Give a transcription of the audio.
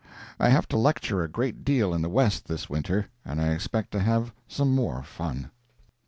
I have to lecture a great deal in the West this winter, and I expect to have some more fun.